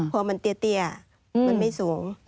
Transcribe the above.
พอมันเตี้ยมันไม่สูง